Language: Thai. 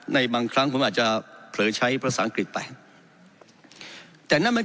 ในบางครั้งผมอาจจะเผลอใช้ภาษาอังกฤษไปแต่นั่นมัน